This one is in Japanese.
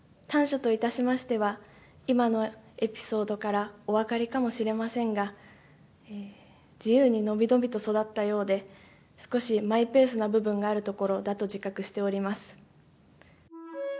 短所といたしましては、今のエピソードからお分かりかもしれませんが、自由に伸び伸びと育ったようで、少しマイペースな部分があるところだと自覚しております。